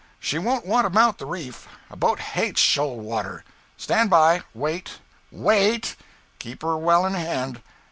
She won't want to mount the reef; a boat hates shoal water. Stand by wait WAIT keep her well in hand.